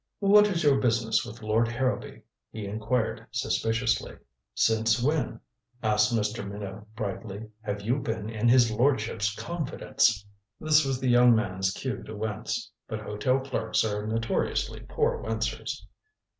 "What is your business with Lord Harrowby?" he inquired suspiciously. "Since when," asked Mr. Minot brightly, "have you been in his lordship's confidence?" This was the young man's cue to wince. But hotel clerks are notoriously poor wincers.